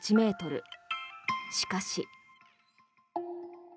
しかし。